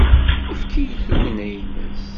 Efk-iyi-d tugna-nnes!